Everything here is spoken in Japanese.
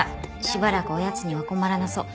しばらくおやつには困らなそう。